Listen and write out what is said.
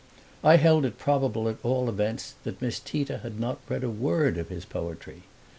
I held it probable at all events that Miss Tita had not read a word of his poetry.